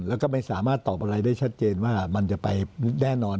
แล้วก็ไม่สามารถตอบอะไรได้ชัดเจนว่ามันจะไปแน่นอน